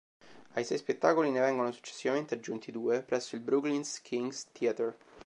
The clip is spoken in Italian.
Ai sei spettacoli ne vengono successivamente aggiunti due presso il Brooklyn's Kings Theatre.